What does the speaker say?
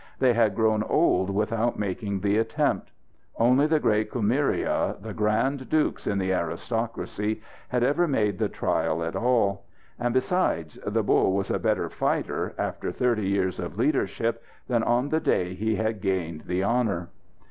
They had grown old without making the attempt. Only the great Kumiria, the grand dukes in the aristocracy, had ever made the trial at all. And besides, the bull was a better fighter after thirty years of leadership than on the day he had gained the honour.